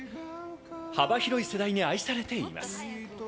幅広い世代に愛されています。